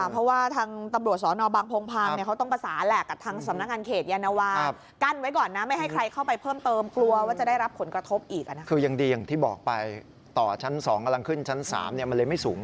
คุณคิดดูสิอันนี้คือแพลนไว้จะสร้าง๖ชั้นใช่ไหม